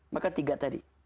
maka tiga tadi